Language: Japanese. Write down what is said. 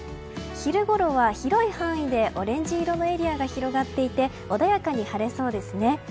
昼ごろは広い範囲でオレンジ色のエリアが広がっていて穏やかに晴れそうですね。